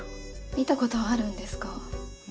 観たことあるんですか？